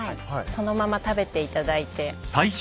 そのまま食べていただいて。